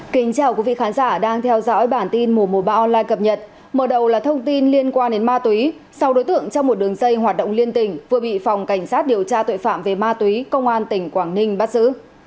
kính chào quý vị khán giả đang theo dõi bản tin mùa mùa bão online cập nhật mở đầu là thông tin liên quan đến ma túy sau đối tượng trong một đường dây hoạt động liên tỉnh vừa bị phòng cảnh sát điều tra tội phạm về ma túy công an tỉnh quảng ninh bắt giữ